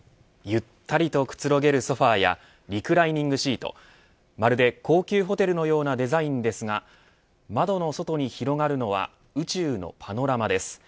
ゆったりとくつろげるソファーやリクライニングシートなどまるで高級ホテルのようなデザインですが窓の外に広がるのは宇宙のパノラマです。